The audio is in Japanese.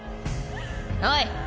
おい！